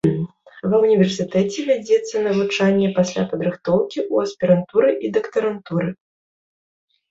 Ва ўніверсітэце вядзецца навучанне пасля падрыхтоўкі ў аспірантуры і дактарантуры.